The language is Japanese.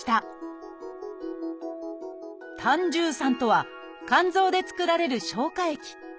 「胆汁酸」とは肝臓で作られる消化液。